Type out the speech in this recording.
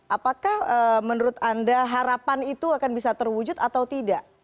apakah menurut anda harapan itu akan bisa terwujud atau tidak